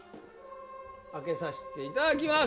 開けさしていただきます